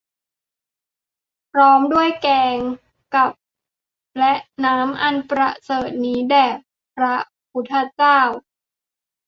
พร้อมด้วยแกงกับและน้ำอันประเสริฐนี้แด่พระพุทธเจ้า